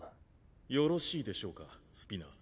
よろしいでしょうかスピナー。